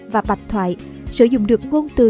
và bạch thoại sử dụng được ngôn từ